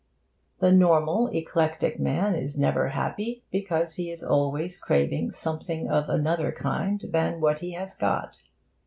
The normal, eclectic man is never happy, because he is always craving something of another kind than what he has got.